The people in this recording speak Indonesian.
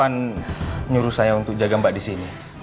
nyuruh saya untuk jaga mbak disini